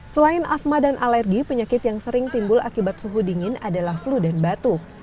selain asma dan alergi penyakit yang sering timbul akibat suhu dingin adalah flu dan batuk